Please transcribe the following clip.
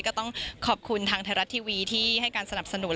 ก็ต้องขอบคุณทางไทยรัฐทีวีที่ให้การสนับสนุน